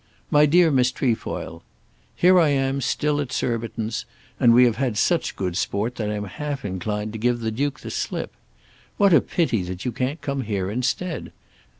MY DEAR MISS TREFOIL, Here I am still at Surbiton's and we have had such good sport that I'm half inclined to give the Duke the slip. What a pity that you can't come here instead.